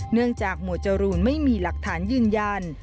เนื่องจากหมวดจรุลไม่มีหลักฐานยืนยัน